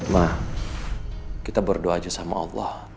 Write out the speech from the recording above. nah kita berdoa aja sama allah